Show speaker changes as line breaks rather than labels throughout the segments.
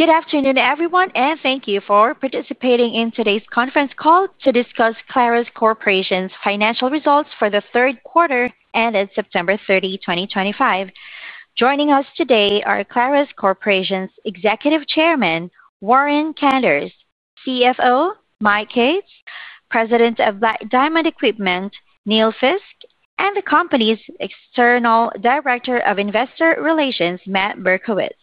Good afternoon, everyone, and thank you for participating in today's conference call to discuss Clarus Corporation's financial results for the third quarter ended September 30, 2025. Joining us today are Clarus Corporation's Executive Chairman, Warren Kanders; CFO, Mike Yates, President of Black Diamond Equipment, Neil Fiske; and the company's External Director of Investor Relations, Matt Berkowitz.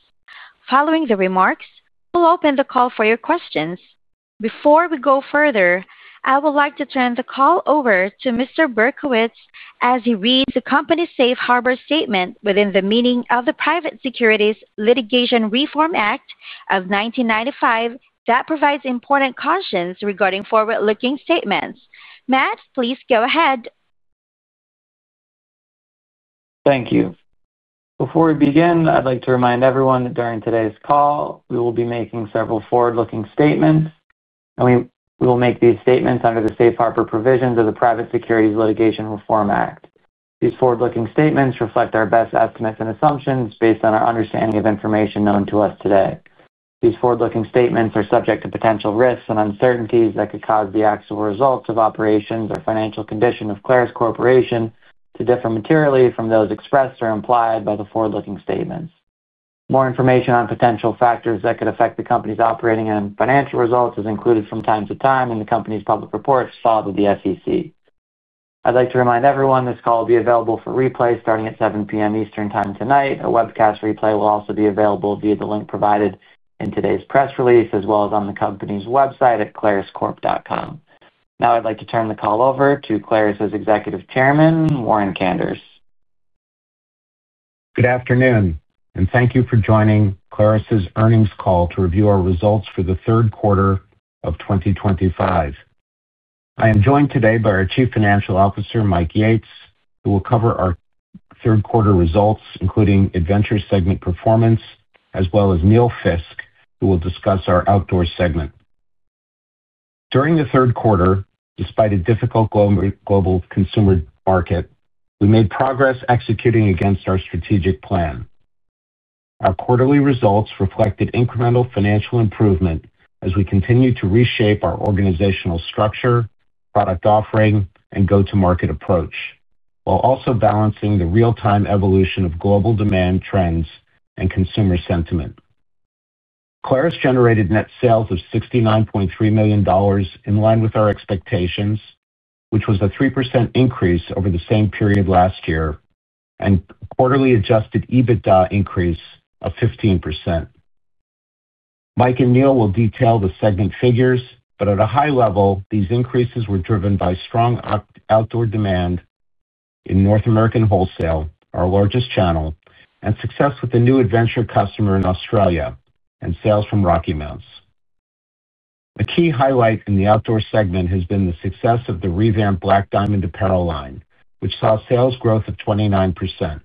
Following the remarks, we'll open the call for your questions. Before we go further, I would like to turn the call over to Mr. Berkowitz as he reads the company's Safe Harbor Statement within the meaning of the Private Securities Litigation Reform Act of 1995 that provides important cautions regarding forward-looking statements. Matt, please go ahead.
Thank you. Before we begin, I'd like to remind everyone that during today's call, we will be making several forward-looking statements, and we will make these statements under the Safe Harbor provisions of the Private Securities Litigation Reform Act. These forward-looking statements reflect our best estimates and assumptions based on our understanding of information known to us today. These forward-looking statements are subject to potential risks and uncertainties that could cause the actual results of operations or financial condition of Clarus Corporation to differ materially from those expressed or implied by the forward-looking statements. More information on potential factors that could affect the company's operating and financial results is included from time to time in the company's public reports filed with the SEC. I'd like to remind everyone this call will be available for replay starting at 7:00 P.M. Eastern Time tonight. A webcast replay will also be available via the link provided in today's press release as well as on the company's website at claruscorp.com. Now I'd like to turn the call over to Clarus's Executive Chairman, Warren Kanders.
Good afternoon, and thank you for joining Clarus's earnings call to review our results for the third quarter of 2025. I am joined today by our Chief Financial Officer, Mike Yates, who will cover our third-quarter results, including Adventure segment performance, as well as Neil Fiske, who will discuss our Outdoor segment. During the third quarter, despite a difficult global consumer market, we made progress executing against our strategic plan. Our quarterly results reflected incremental financial improvement as we continue to reshape our organizational structure, product offering, and go-to-market approach, while also balancing the real-time evolution of global demand trends and consumer sentiment. Clarus generated net sales of $69.3 million in line with our expectations, which was a 3% increase over the same period last year, and quarterly Adjusted EBITDA increase of 15%. Mike and Neil will detail the segment figures, but at a high level, these increases were driven by strong Outdoor demand. In North American wholesale, our largest channel, and success with a new Adventure customer in Australia and sales from RockyMounts. A key highlight in the Outdoor segment has been the success of the revamped Black Diamond apparel line, which saw sales growth of 29%.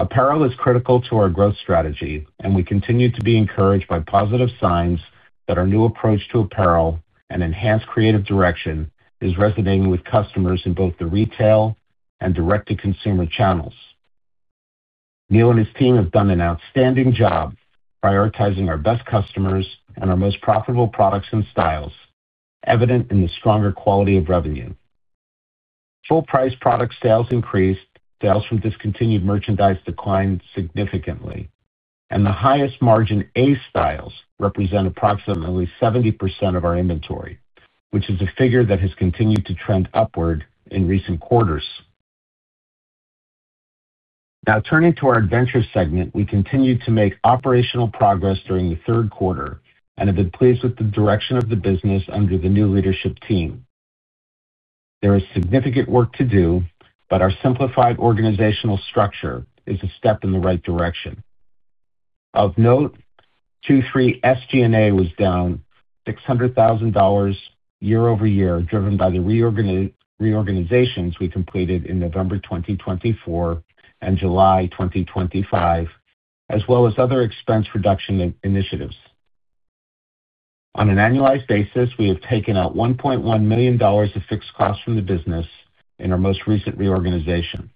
Apparel is critical to our growth strategy, and we continue to be encouraged by positive signs that our new approach to apparel and enhanced creative direction is resonating with customers in both the retail and direct-to-consumer channels. Neil and his team have done an outstanding job prioritizing our best customers and our most profitable products and styles, evident in the stronger quality of revenue. Full-price product sales increased, sales from discontinued merchandise declined significantly, and the highest-margin A styles represent approximately 70% of our inventory, which is a figure that has continued to trend upward in recent quarters. Now turning to our Adventure segment, we continue to make operational progress during the third quarter and have been pleased with the direction of the business under the new leadership team. There is significant work to do, but our simplified organizational structure is a step in the right direction. Of note, Q3 SG&A was down $600,000 year-over-year, driven by the reorganizations we completed in November 2024 and July 2025, as well as other expense-reduction initiatives. On an annualized basis, we have taken out $1.1 million of fixed costs from the business in our most recent reorganization.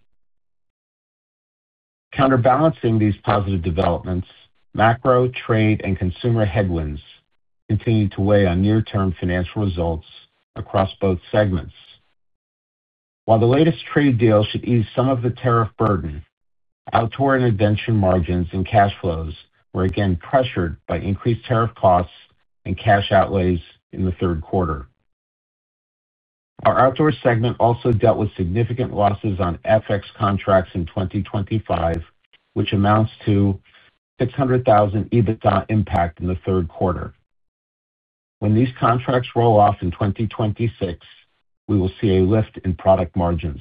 Counterbalancing these positive developments, macro, trade, and consumer headwinds continue to weigh on near-term financial results across both segments. While the latest trade deal should ease some of the tariff burden, Outdoor and Adventure margins and cash flows were again pressured by increased tariff costs and cash outlays in the third quarter. Our Outdoor segment also dealt with significant losses on FX contracts in 2025, which amounts to $600,000 EBITDA impact in the third quarter. When these contracts roll off in 2026, we will see a lift in product margins.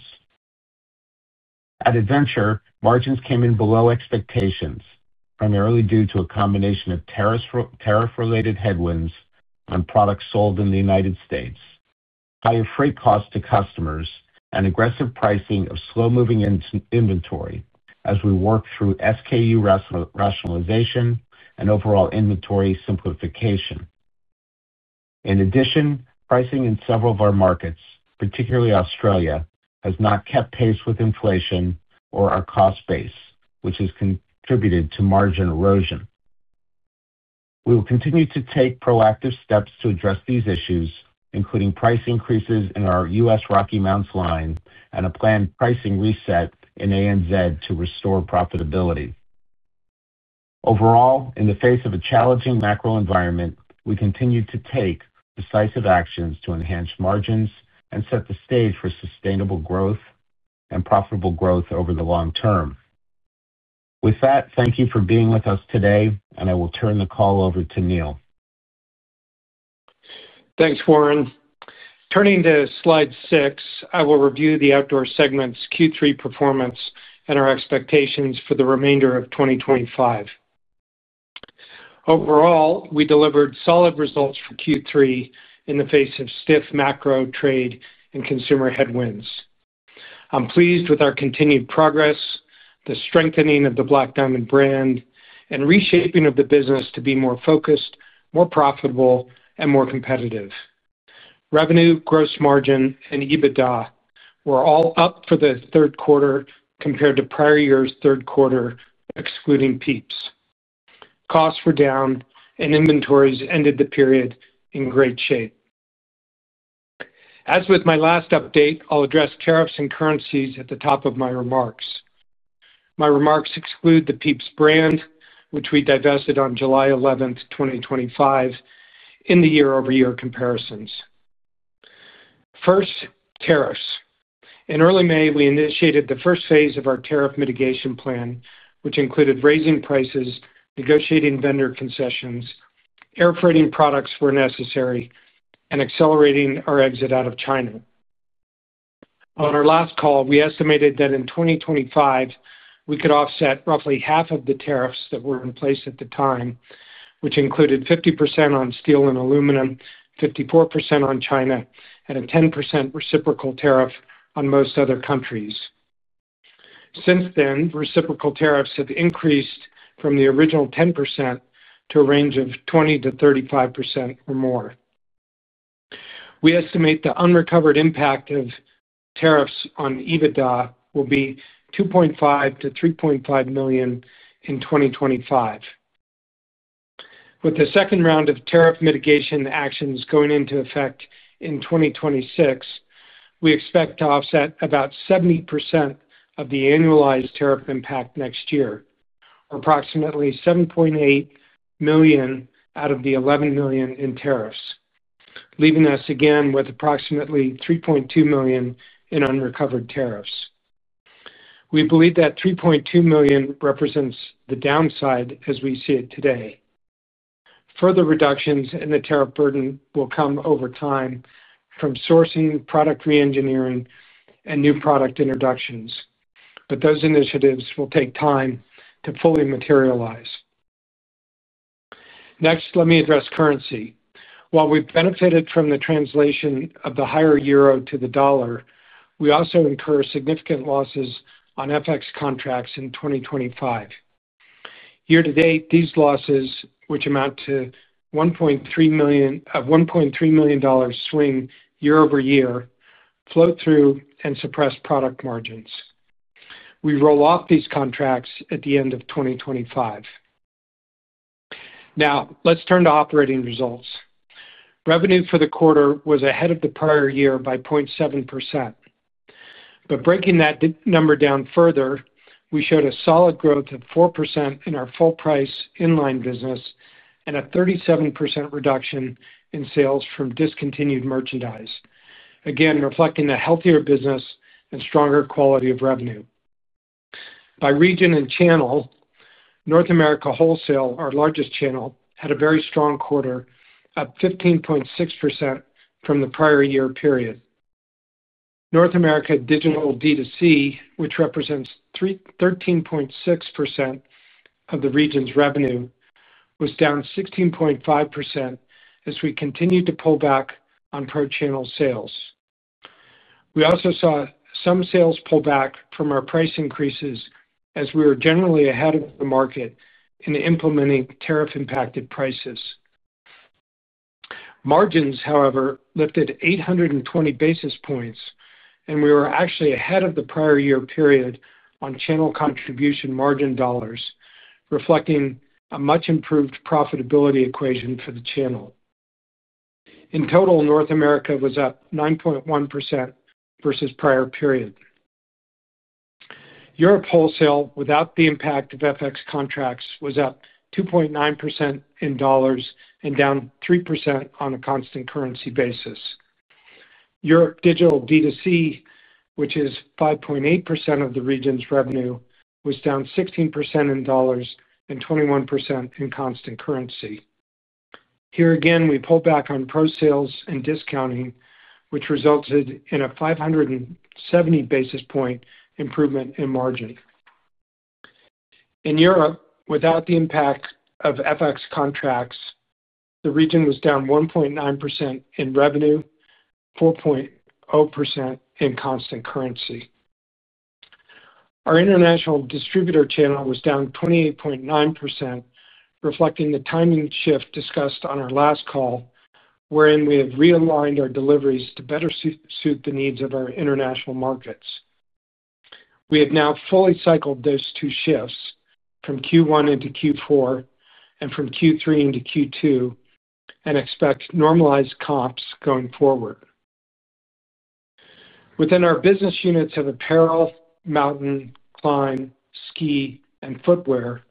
At Adventure, margins came in below expectations, primarily due to a combination of tariff-related headwinds on products sold in the United States, higher freight costs to customers, and aggressive pricing of slow-moving inventory as we work through SKU rationalization and overall inventory simplification. In addition, pricing in several of our markets, particularly Australia, has not kept pace with inflation or our cost base, which has contributed to margin erosion. We will continue to take proactive steps to address these issues, including price increases in our U.S. RockyMounts line and a planned pricing reset in ANZ to restore profitability. Overall, in the face of a challenging macro environment, we continue to take decisive actions to enhance margins and set the stage for sustainable growth and profitable growth over the long term. With that, thank you for being with us today, and I will turn the call over to Neil.
Thanks, Warren. Turning to Slide 6, I will review the Outdoor segment's Q3 performance and our expectations for the remainder of 2025. Overall, we delivered solid results for Q3 in the face of stiff macro, trade, and consumer headwinds. I'm pleased with our continued progress, the strengthening of the Black Diamond brand, and reshaping of the business to be more focused, more profitable, and more competitive. Revenue, gross margin, and EBITDA were all up for the third quarter compared to prior year's third quarter, excluding Peep. Costs were down, and inventories ended the period in great shape. As with my last update, I'll address tariffs and currencies at the top of my remarks. My remarks exclude the Peep brand, which we divested on July 11th, 2025, in the year-over-year comparisons. First, tariffs. In early May, we initiated the first phase of our tariff mitigation plan, which included raising prices, negotiating vendor concessions, air freighting products where necessary, and accelerating our exit out of China. On our last call, we estimated that in 2025, we could offset roughly half of the tariffs that were in place at the time, which included 50% on steel and aluminum, 54% on China, and a 10% reciprocal tariff on most other countries. Since then, reciprocal tariffs have increased from the original 10% to a range of 20%-35% or more. We estimate the unrecovered impact of tariffs on EBITDA will be $2.5 million to $3.5 million in 2025. With the second round of tariff mitigation actions going into effect in 2026. We expect to offset about 70% of the annualized tariff impact next year, approximately $7.8 million out of the $11 million in tariffs, leaving us again with approximately $3.2 million in unrecovered tariffs. We believe that $3.2 million represents the downside as we see it today. Further reductions in the tariff burden will come over time from sourcing, product reengineering, and new product introductions, but those initiatives will take time to fully materialize. Next, let me address currency. While we've benefited from the translation of the higher euro to the dollar, we also incur significant losses on FX contracts in 2025. Year to date, these losses, which amount to $1.3 million of $1.3 million swing year-over-year, float through and suppress product margins. We roll off these contracts at the end of 2025. Now, let's turn to operating results. Revenue for the quarter was ahead of the prior year by 0.7%. Breaking that number down further, we showed a solid growth of 4% in our full-price inline business and a 37% reduction in sales from discontinued merchandise, again reflecting a healthier business and stronger quality of revenue. By region and channel, North America wholesale, our largest channel, had a very strong quarter, up 15.6% from the prior year period. North America digital D2C, which represents 13.6% of the region's revenue, was down 16.5% as we continued to pull back on per-channel sales. We also saw some sales pull back from our price increases as we were generally ahead of the market in implementing tariff-impacted prices. Margins, however, lifted 820 basis points, and we were actually ahead of the prior year period on channel contribution margin dollars, reflecting a much-improved profitability equation for the channel. In total, North America was up 9.1% versus prior period. Europe wholesale, without the impact of FX contracts, was up 2.9% in dollars and down 3% on a constant currency basis. Europe digital D2C, which is 5.8% of the region's revenue, was down 16% in dollars and 21% in constant currency. Here again, we pulled back on pro sales and discounting, which resulted in a 570 basis point improvement in margin. In Europe, without the impact of FX contracts, the region was down 1.9% in revenue, 4.0% in constant currency. Our international distributor channel was down 28.9%, reflecting the timing shift discussed on our last call. Wherein we have realigned our deliveries to better suit the needs of our international markets. We have now fully cycled those two shifts from Q1 into Q4 and from Q3 into Q2. We expect normalized comps going forward. Within our business units of Apparel, Mountain, Climb, Ski, and Footwear,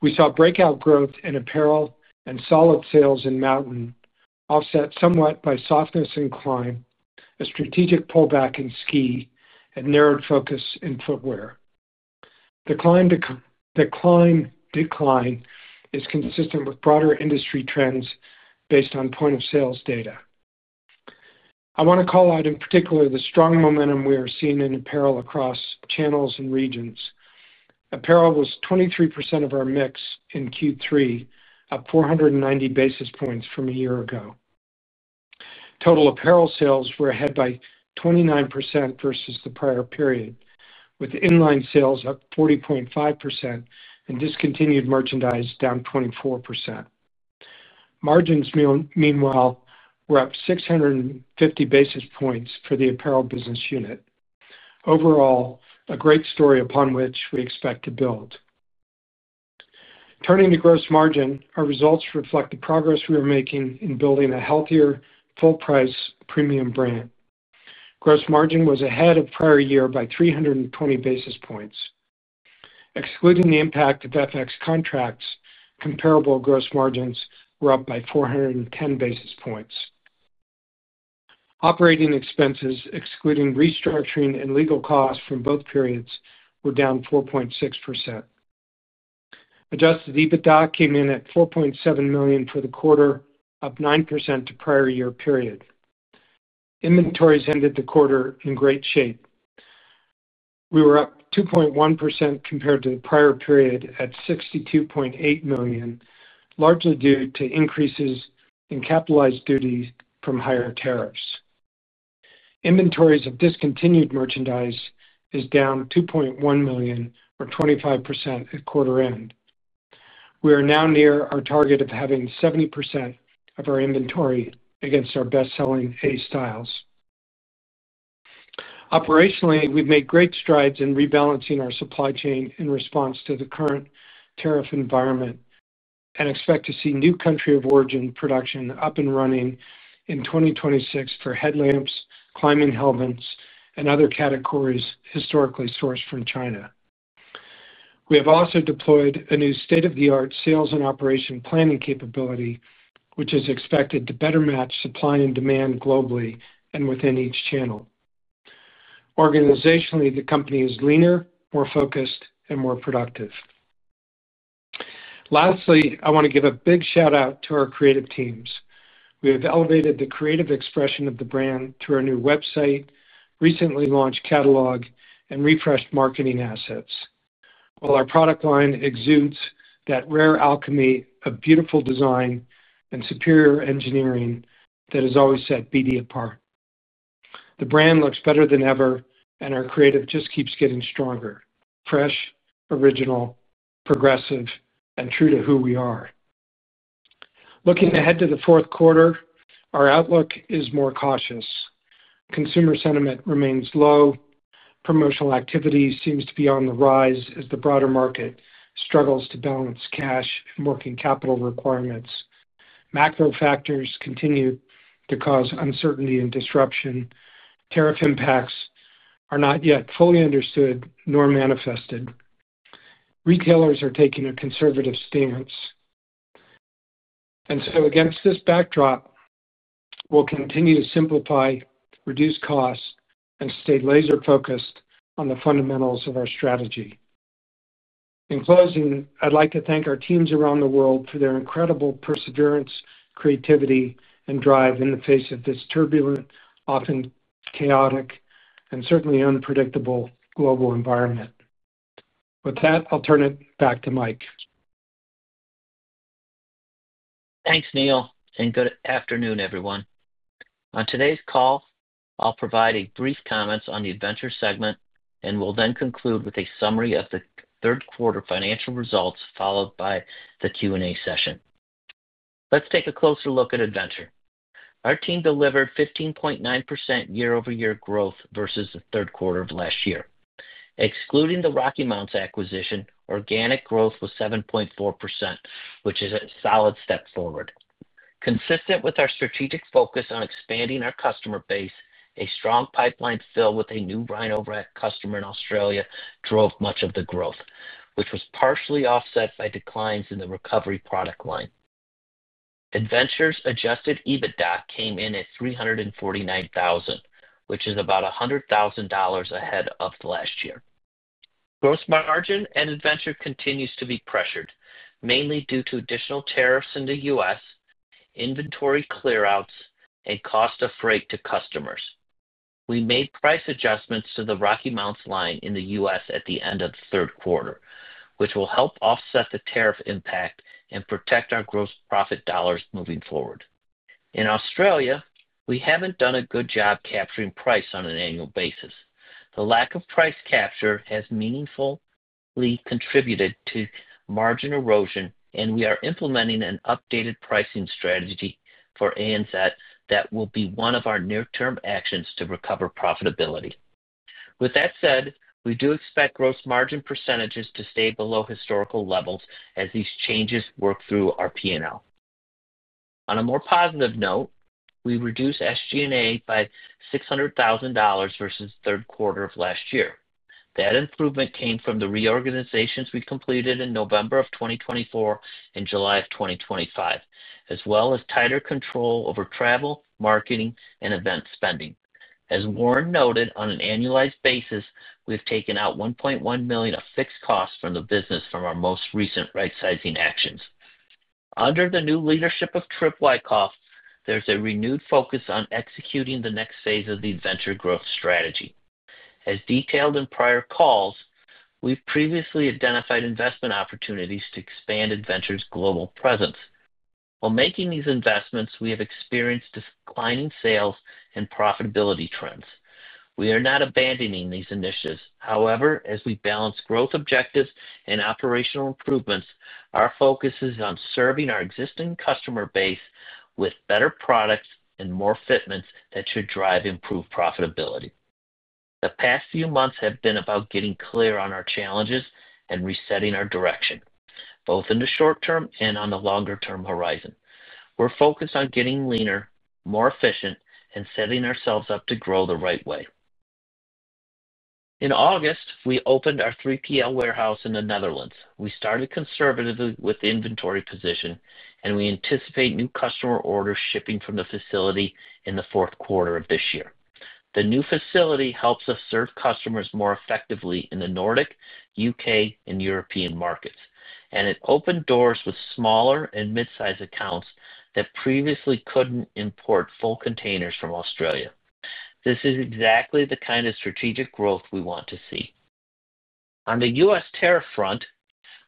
we saw breakout growth in Apparel and solid sales in Mountain, offset somewhat by softness in Climb, a strategic pullback in Ski, and narrowed focus in Footwear. Decline is consistent with broader industry trends based on point-of-sales data. I want to call out in particular the strong momentum we are seeing in Apparel across channels and regions. Apparel was 23% of our mix in Q3, up 490 basis points from a year ago. Total apparel sales were ahead by 29% versus the prior period, with inline sales up 40.5% and discontinued merchandise down 24%. Margins, meanwhile, were up 650 basis points for the Apparel business unit. Overall, a great story upon which we expect to build. Turning to gross margin, our results reflect the progress we are making in building a healthier full-price premium brand. Gross margin was ahead of prior year by 320 basis points. Excluding the impact of FX contracts, comparable gross margins were up by 410 basis points. Operating expenses, excluding restructuring and legal costs from both periods, were down 4.6%. Adjusted EBITDA came in at $4.7 million for the quarter, up 9% to prior-year period. Inventories ended the quarter in great shape. We were up 2.1% compared to the prior period at $62.8 million, largely due to increases in capitalized duty from higher tariffs. Inventories of discontinued merchandise is down $2.1 million, or 25% at quarter-end. We are now near our target of having 70% of our inventory against our best-selling A styles. Operationally, we've made great strides in rebalancing our supply chain in response to the current tariff environment and expect to see new country-of-origin production up and running in 2026 for headlamps, climbing helmets, and other categories historically sourced from China. We have also deployed a new state-of-the-art sales and operation planning capability, which is expected to better match supply and demand globally and within each channel. Organizationally, the company is leaner, more focused, and more productive. Lastly, I want to give a big shout-out to our creative teams. We have elevated the creative expression of the brand through our new website, recently launched catalog, and refreshed marketing assets. While our product line exudes that rare alchemy of beautiful design and superior engineering that has always set BD apart. The brand looks better than ever, and our creative just keeps getting stronger, fresh, original, progressive, and true to who we are. Looking ahead to the fourth quarter, our outlook is more cautious. Consumer sentiment remains low. Promotional activity seems to be on the rise as the broader market struggles to balance cash and working capital requirements. Macro factors continue to cause uncertainty and disruption. Tariff impacts are not yet fully understood nor manifested. Retailers are taking a conservative stance. Against this backdrop, we'll continue to simplify, reduce costs, and stay laser-focused on the fundamentals of our strategy. In closing, I'd like to thank our teams around the world for their incredible perseverance, creativity, and drive in the face of this turbulent, often chaotic, and certainly unpredictable global environment. With that, I'll turn it back to Mike.
Thanks, Neil. Good afternoon, everyone. On today's call, I'll provide brief comments on the Adventure segment, and we'll then conclude with a summary of the third-quarter financial results followed by the Q&A session. Let's take a closer look at Adventure. Our team delivered 15.9% year-over-year growth versus the third quarter of last year. Excluding the RockyMounts acquisition, organic growth was 7.4%, which is a solid step forward. Consistent with our strategic focus on expanding our customer base, a strong pipeline filled with a new Rhino-Rack customer in Australia drove much of the growth, which was partially offset by declines in the Recovery product line. Adventure's Adjusted EBITDA came in at $349,000, which is about $100,000 ahead of last year. Gross margin in Adventure continues to be pressured, mainly due to additional tariffs in the U.S., inventory clearouts, and cost of freight to customers. We made price adjustments to the RockyMounts line in the U.S. at the end of the third quarter, which will help offset the tariff impact and protect our gross profit dollars moving forward. In Australia, we have not done a good job capturing price on an annual basis. The lack of price capture has meaningfully contributed to margin erosion, and we are implementing an updated pricing strategy for ANZ that will be one of our near-term actions to recover profitability. With that said, we do expect gross margin percentages to stay below historical levels as these changes work through our P&L. On a more positive note, we reduced SG&A by $600,000 versus the third quarter of last year. That improvement came from the reorganizations we completed in November of 2024 and July of 2025, as well as tighter control over travel, marketing, and event spending. As Warren noted, on an annualized basis, we've taken out $1.1 million of fixed costs from the business from our most recent rightsizing actions. Under the new leadership of Trip Wyckoff, there's a renewed focus on executing the next phase of the Adventure growth strategy. As detailed in prior calls, we've previously identified investment opportunities to expand Adventure's global presence. While making these investments, we have experienced declining sales and profitability trends. We are not abandoning these initiatives. However, as we balance growth objectives and operational improvements, our focus is on serving our existing customer base with better products and more fitments that should drive improved profitability. The past few months have been about getting clear on our challenges and resetting our direction, both in the short term and on the longer-term horizon. We're focused on getting leaner, more efficient, and setting ourselves up to grow the right way. In August, we opened our 3PL warehouse in the Netherlands. We started conservatively with the inventory position, and we anticipate new customer orders shipping from the facility in the fourth quarter of this year. The new facility helps us serve customers more effectively in the Nordic, U.K., and European markets, and it opened doors with smaller and mid-size accounts that previously could not import full containers from Australia. This is exactly the kind of strategic growth we want to see. On the U.S. tariff front,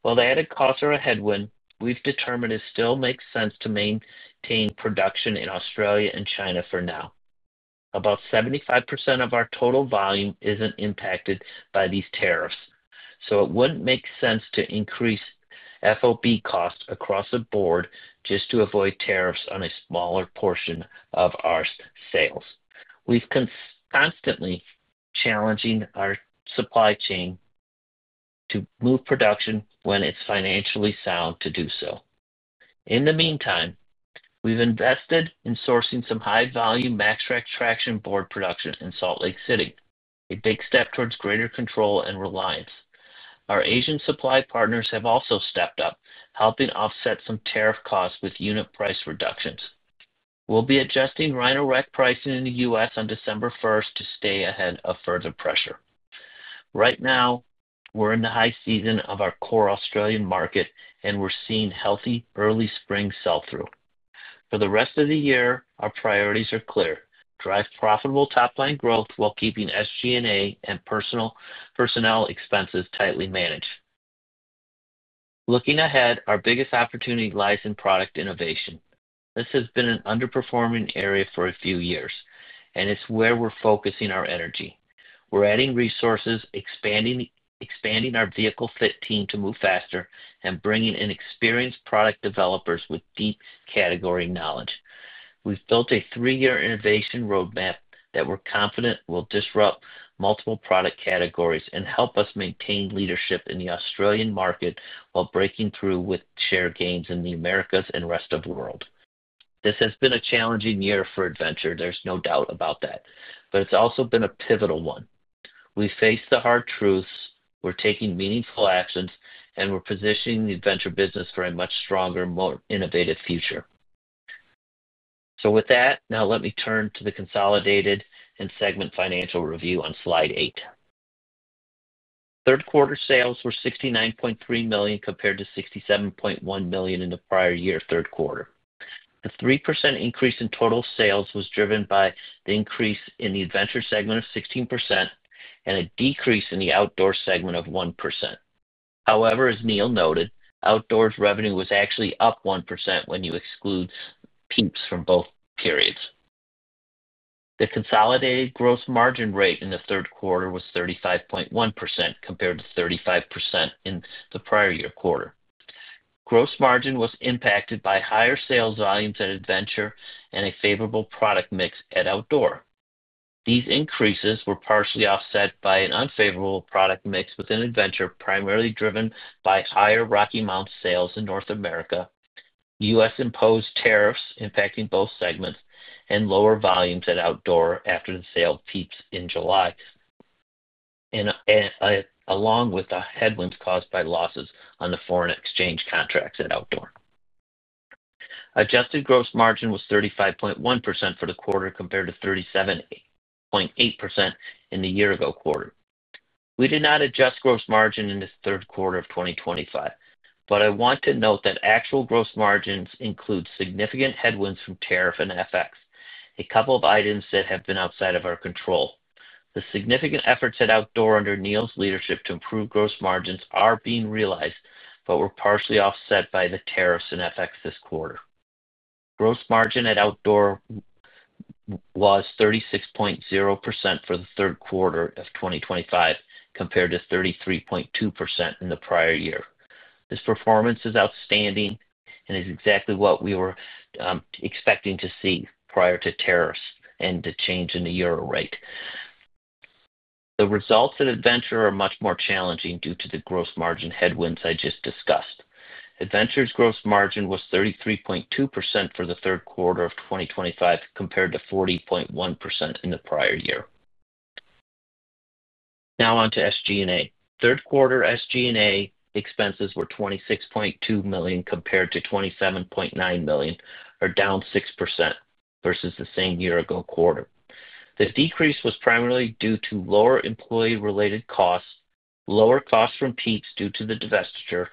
while the added costs are a headwind, we have determined it still makes sense to maintain production in Australia and China for now. About 75% of our total volume is not impacted by these tariffs, so it would not make sense to increase FOB costs across the board just to avoid tariffs on a smaller portion of our sales. We have been constantly challenging our supply chain. To move production when it's financially sound to do so. In the meantime, we've invested in sourcing some high-value MaxRack traction board production in Salt Lake City, a big step towards greater control and reliance. Our Asian supply partners have also stepped up, helping offset some tariff costs with unit price reductions. We'll be adjusting Rhino-Rack pricing in the U.S. on December 1st to stay ahead of further pressure. Right now, we're in the high season of our core Australian market, and we're seeing healthy early spring sell-through. For the rest of the year, our priorities are clear: drive profitable top-line growth while keeping SG&A and personnel expenses tightly managed. Looking ahead, our biggest opportunity lies in product innovation. This has been an underperforming area for a few years, and it's where we're focusing our energy. We're adding resources, expanding our vehicle-fit team to move faster, and bringing in experienced product developers with deep category knowledge. We've built a three-year innovation roadmap that we're confident will disrupt multiple product categories and help us maintain leadership in the Australian market while breaking through with share gains in the Americas and rest of the world. This has been a challenging year for Adventure, there's no doubt about that, but it's also been a pivotal one. We've faced the hard truths, we're taking meaningful actions, and we're positioning the Adventure business for a much stronger, more innovative future. With that, now let me turn to the consolidated and segment financial review on Slide 8. Third-quarter sales were $69.3 million compared to $67.1 million in the prior-year third quarter. The 3% increase in total sales was driven by the increase in the Adventure segment of 16% and a decrease in the Outdoor segment of 1%. However, as Neil noted, Outdoor revenue was actually up 1% when you exclude peaks from both periods. The consolidated gross margin rate in the third quarter was 35.1% compared to 35% in the prior year quarter. Gross margin was impacted by higher sales volumes at Adventure and a favorable product mix at Outdoor. These increases were partially offset by an unfavorable product mix within Adventure, primarily driven by higher RockyMounts sales in North America, U.S.-imposed tariffs impacting both segments, and lower volumes at Outdoor after the sale peaks in July. Along with the headwinds caused by losses on the foreign exchange contracts at Outdoor. Adjusted gross margin was 35.1% for the quarter compared to 37.8% in the year-ago quarter. We did not adjust gross margin in the third quarter of 2025, but I want to note that actual gross margins include significant headwinds from tariff and FX, a couple of items that have been outside of our control. The significant efforts at Outdoor under Neil's leadership to improve gross margins are being realized, but were partially offset by the tariffs and FX this quarter. Gross margin at Outdoor was 36.0% for the third quarter of 2025 compared to 33.2% in the prior year. This performance is outstanding and is exactly what we were expecting to see prior to tariffs and the change in the euro rate. The results at Adventure are much more challenging due to the gross margin headwinds I just discussed. Adventure's gross margin was 33.2% for the third quarter of 2025 compared to 40.1% in the prior year. Now on to SG&A. Third-quarter SG&A expenses were $26.2 million compared to $27.9 million, or down 6% versus the same year-ago quarter. The decrease was primarily due to lower employee-related costs, lower costs from Peep due to the divestiture,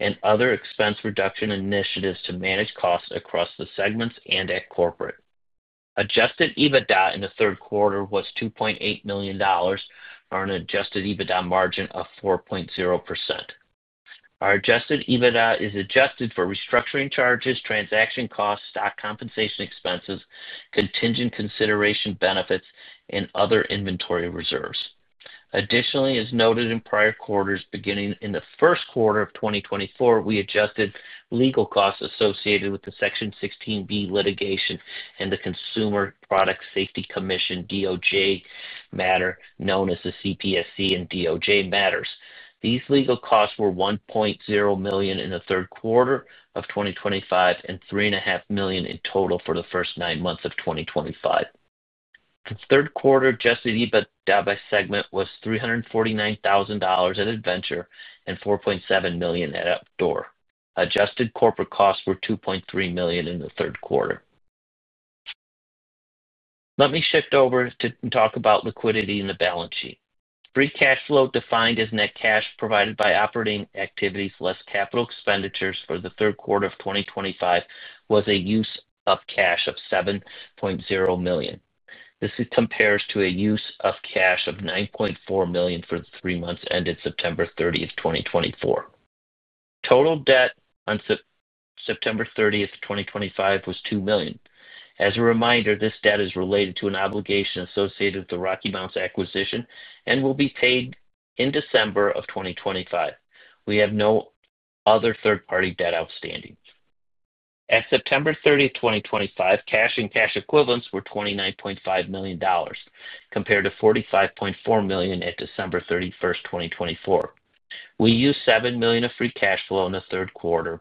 and other expense reduction initiatives to manage costs across the segments and at corporate. Adjusted EBITDA in the third quarter was $2.8 million for an Adjusted EBITDA margin of 4.0%. Our Adjusted EBITDA is adjusted for restructuring charges, transaction costs, stock compensation expenses, contingent consideration benefits, and other inventory reserves. Additionally, as noted in prior quarters, beginning in the first quarter of 2024, we adjusted legal costs associated with the Section 16(b) litigation and the Consumer Product Safety Commission DOJ matter known as the CPSC and DOJ matters. These legal costs were $1.0 million in the third quarter of 2025 and $3.5 million in total for the first nine months of 2025. The third-quarter Adjusted EBITDA by segment was $349,000 at Adventure and $4.7 million at Outdoor. Adjusted corporate costs were $2.3 million in the third quarter. Let me shift over to talk about liquidity in the balance sheet. Free cash flow defined as net cash provided by operating activities less capital expenditures for the third quarter of 2025 was a use of cash of $7.0 million. This compares to a use of cash of $9.4 million for the three months ended September 30th, 2024. Total debt on September 30th, 2025, was $2 million. As a reminder, this debt is related to an obligation associated with the RockyMounts acquisition and will be paid in December of 2025. We have no other third-party debt outstanding. At September 30th, 2025, cash and cash equivalents were $29.5 million compared to $45.4 million at December 31st, 2024. We used $7 million of free cash flow in the third quarter.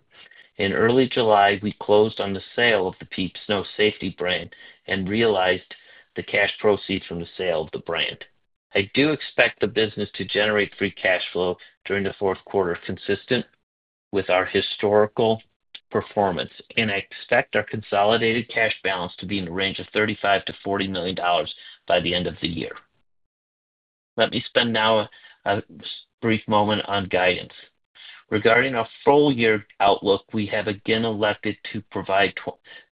In early July, we closed on the sale of the Peep Snow Safety brand and realized the cash proceeds from the sale of the brand. I do expect the business to generate free cash flow during the fourth quarter consistent with our historical performance, and I expect our consolidated cash balance to be in the range of $35-$40 million by the end of the year. Let me spend now a brief moment on guidance. Regarding our full year outlook, we have again elected to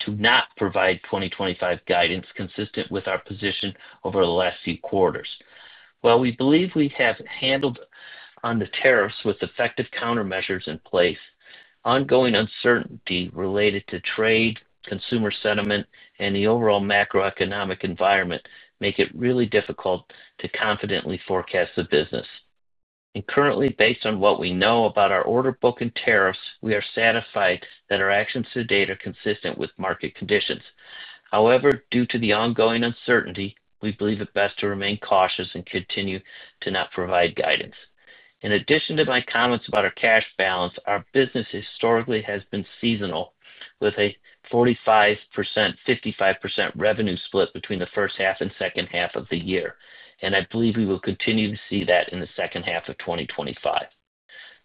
not provide 2025 guidance consistent with our position over the last few quarters. While we believe we have handled the tariffs with effective countermeasures in place, ongoing uncertainty related to trade, consumer sentiment, and the overall macroeconomic environment make it really difficult to confidently forecast the business. Currently, based on what we know about our order book and tariffs, we are satisfied that our actions to date are consistent with market conditions. However, due to the ongoing uncertainty, we believe it best to remain cautious and continue to not provide guidance. In addition to my comments about our cash balance, our business historically has been seasonal with a 45%-55% revenue split between the first half and second half of the year, and I believe we will continue to see that in the second half of 2025.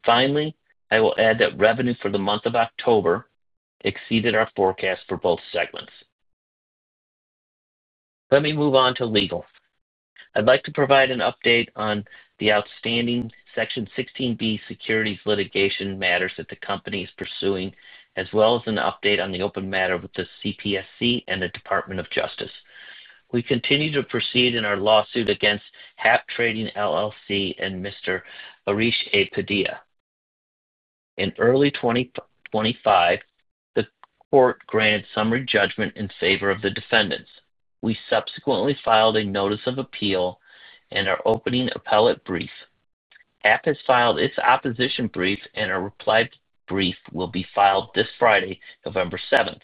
Finally, I will add that revenue for the month of October exceeded our forecast for both segments. Let me move on to legal. I'd like to provide an update on the outstanding Section 16(b) securities litigation matters that the company is pursuing, as well as an update on the open matter with the CPSC and the Department of Justice. We continue to proceed in our lawsuit against Hap Trading LLC and Mr. Arish A. Padilla. In early 2025, the court granted summary judgment in favor of the defendants. We subsequently filed a notice of appeal and are opening appellate brief. Hap has filed its opposition brief, and a reply brief will be filed this Friday, November 7th.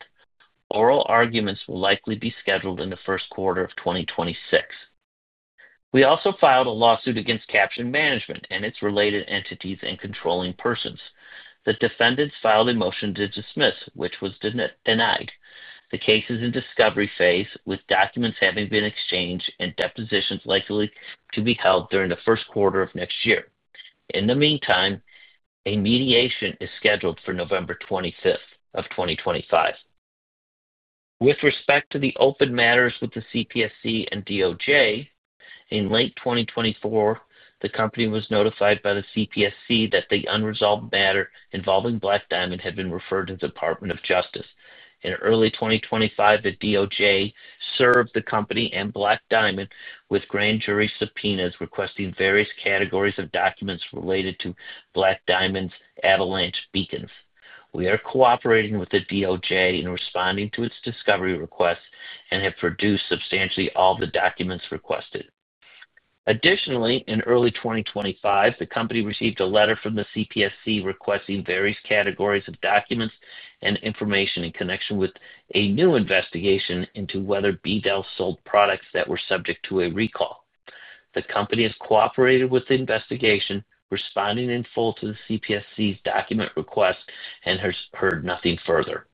Oral arguments will likely be scheduled in the first quarter of 2026. We also filed a lawsuit against Capiton Management and its related entities and controlling persons. The defendants filed a motion to dismiss, which was denied. The case is in discovery phase, with documents having been exchanged and depositions likely to be held during the first quarter of next year. In the meantime, a mediation is scheduled for November 25th of 2025. With respect to the open matters with the CPSC and DOJ. In late 2024, the company was notified by the CPSC that the unresolved matter involving Black Diamond had been referred to the Department of Justice. In early 2025, the DOJ served the company and Black Diamond with grand jury subpoenas requesting various categories of documents related to Black Diamond's avalanche beacons. We are cooperating with the DOJ in responding to its discovery requests and have produced substantially all the documents requested. Additionally, in early 2025, the company received a letter from the CPSC requesting various categories of documents and information in connection with a new investigation into whether BDEL sold products that were subject to a recall. The company has cooperated with the investigation, responding in full to the CPSC's document request, and has heard nothing further.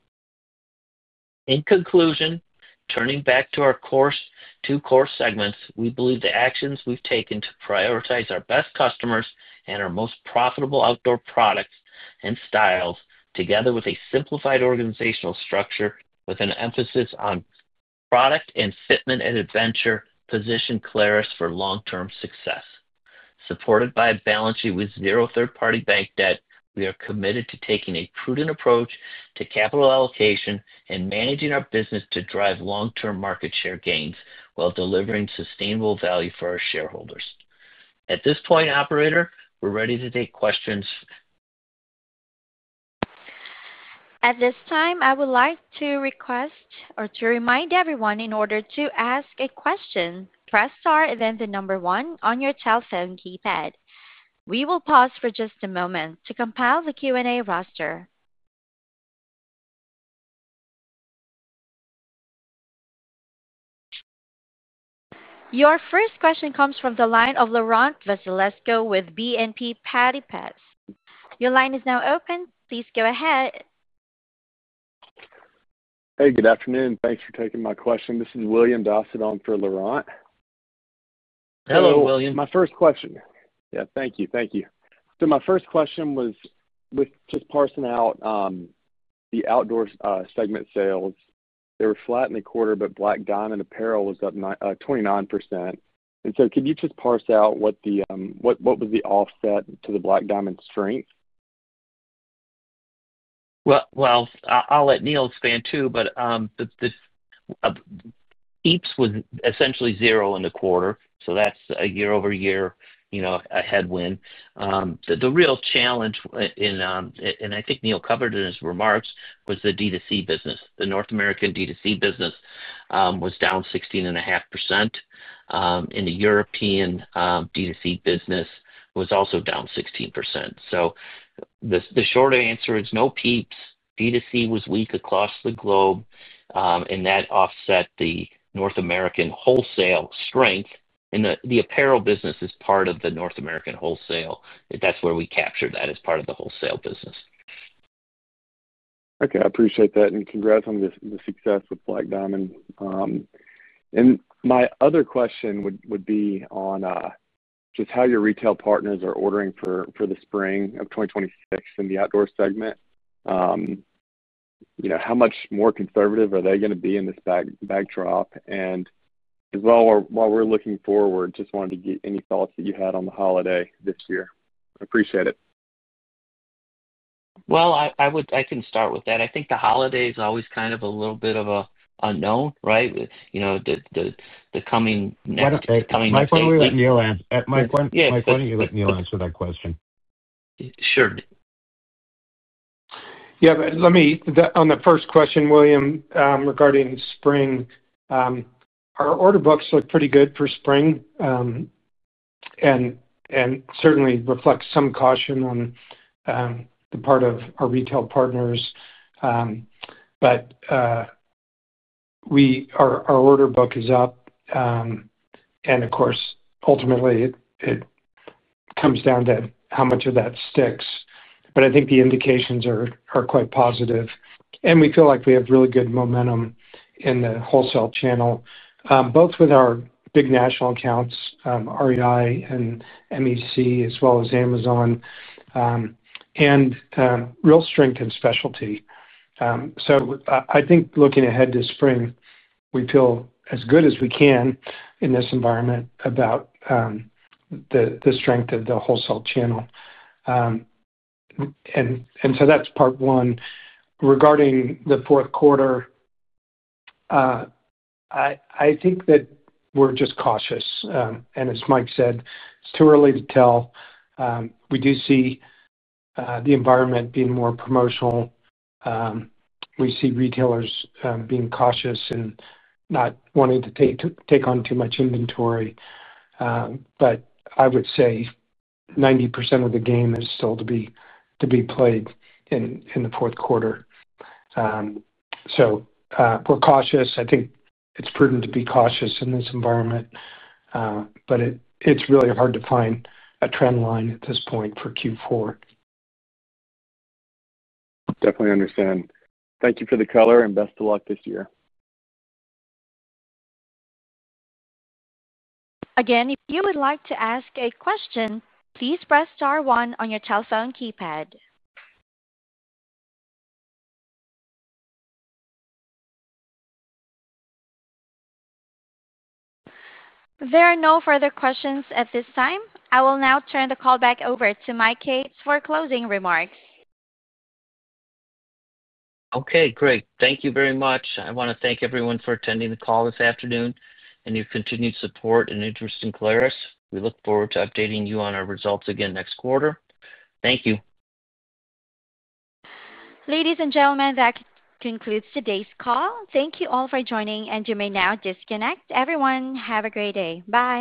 In conclusion, turning back to our two core segments, we believe the actions we've taken to prioritize our best customers and our most profitable outdoor products and styles, together with a simplified organizational structure with an emphasis on product and fitment and adventure, position Clarus for long-term success. Supported by a balance sheet with zero third-party bank debt, we are committed to taking a prudent approach to capital allocation and managing our business to drive long-term market share gains while delivering sustainable value for our shareholders. At this point, Operator, we're ready to take questions.
At this time, I would like to remind everyone in order to ask a question, press star and then the number one on your telephone keypad. We will pause for just a moment to compile the Q&A roster. Your first question comes from the line of Laurent Vasilescu with BNP Paribas. Your line is now open. Please go ahead.
Hey, good afternoon. Thanks for taking my question. This is William Dawson on for Laurent.
Hello, William.
My first question. Yeah, thank you. Thank you. My first question was, with just parsing out the Outdoor segment sales, they were flat in the quarter, but Black Diamond apparel was up 29%. Could you just parse out what was the offset to the Black Diamond strength?
I'll let Neil expand too, but the Peep was essentially zero in the quarter, so that's a year-over-year headwind. The real challenge, and I think Neil covered in his remarks, was the D2C business. The North American D2C business was down 16.5%, and the European D2C business was also down 16%. The short answer is no Peep, D2C was weak across the globe, and that offset the North American wholesale strength. The apparel business is part of the North American wholesale. That's where we captured that as part of the wholesale business.
Okay. I appreciate that, and congrats on the success with Black Diamond. My other question would be on just how your retail partners are ordering for the spring of 2026 in the Outdoor segment. How much more conservative are they going to be in this backdrop? As well, while we're looking forward, just wanted to get any thoughts that you had on the holiday this year. I appreciate it.
I can start with that. I think the holiday is always kind of a little bit of an unknown, right? The coming next year. My point was that Neil answered that question. Sure.
Yeah. On the first question, William, regarding spring. Our order books look pretty good for spring. Certainly reflects some caution on. The part of our retail partners. Our order book is up. Of course, ultimately, it comes down to how much of that sticks. I think the indications are quite positive. We feel like we have really good momentum in the wholesale channel, both with our big national accounts, REI and MEC, as well as Amazon. Real strength and specialty. I think looking ahead to spring, we feel as good as we can in this environment about the strength of the wholesale channel. That is part one. Regarding the fourth quarter, I think that we are just cautious. As Mike said, it is too early to tell. We do see the environment being more promotional. We see retailers being cautious and not wanting to take on too much inventory. I would say. 90% of the game is still to be played in the fourth quarter. We are cautious. I think it is prudent to be cautious in this environment. It is really hard to find a trend line at this point for Q4.
Definitely understand. Thank you for the color and best of luck this year.
Again, if you would like to ask a question, please press star one on your telephone keypad. There are no further questions at this time. I will now turn the call back over to Mike Yates for closing remarks.
Okay. Great. Thank you very much. I want to thank everyone for attending the call this afternoon and your continued support and interest in Clarus. We look forward to updating you on our results again next quarter. Thank you.
Ladies and gentlemen, that concludes today's call. Thank you all for joining, and you may now disconnect. Everyone, have a great day. Bye.